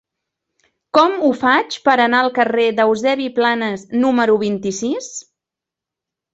Com ho faig per anar al carrer d'Eusebi Planas número vint-i-sis?